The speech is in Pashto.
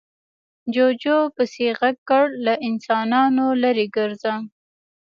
جوجو پسې غږ کړ، له انسانانو ليرې ګرځه.